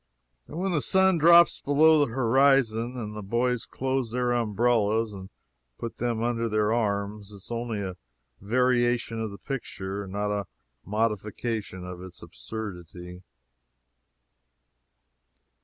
And when the sun drops below the horizon and the boys close their umbrellas and put them under their arms, it is only a variation of the picture, not a modification of its absurdity.